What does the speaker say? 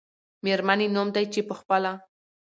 میرمنې نوم دی، چې په خپله